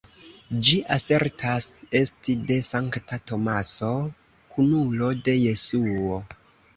Ĝi asertas esti de Sankta Tomaso, kunulo de Jesuo.